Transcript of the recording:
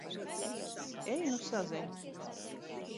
Ej nu sazin!